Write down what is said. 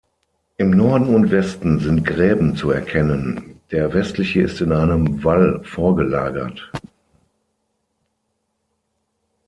Im Norden und Westen sind Gräben zu erkennen, der westliche ist einem Wall vorgelagert.